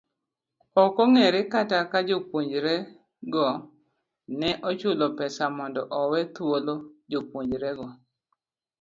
Ok ongere kata ka jopunjorego ne ochul pesa mondo owe thuolo jopuonjrego.